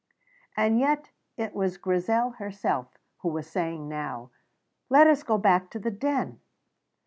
And yet it was Grizel herself who was saying now, "Let us go back to the Den."